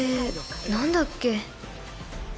何だっけ？